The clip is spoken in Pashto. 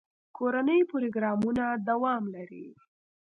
کورني پروګرامونه دوام لري.